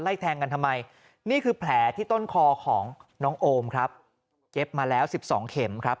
แทงกันทำไมนี่คือแผลที่ต้นคอของน้องโอมครับเย็บมาแล้วสิบสองเข็มครับ